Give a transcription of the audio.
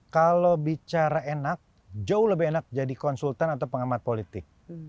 kalau bicara enak jauh lebih enak jadi konsultan atau pengamat politik